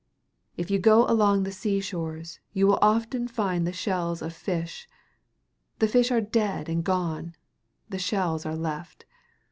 If you go along the sea shores, you will often find the shells of fish the fish dead and gone, the shells left.